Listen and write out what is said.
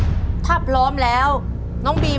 ขอเชิญปูชัยมาตอบชีวิตเป็นคนต่อไปครับ